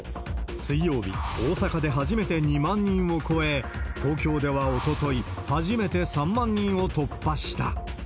水曜日、大阪で初めて２万人を超え、東京ではおととい、初めて３万人を突破した。